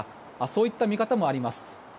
そういった見方もあります。